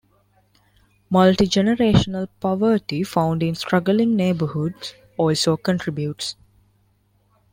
Multi-generational poverty found in struggling neighborhoods also contributes.